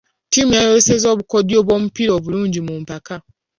Ttiimu yayolesezza obukodyo bw'omupiira obulungi mu mpaka.